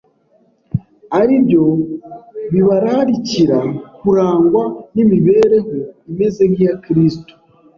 ari byo bibararikira kurangwa n’imibereho imeze nk’iya Kristo